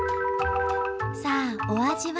さあお味は？